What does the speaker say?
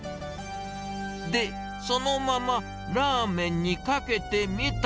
で、そのままラーメンにかけてみた。